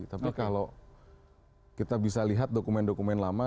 tapi kalau kita bisa lihat dokumen dokumen lama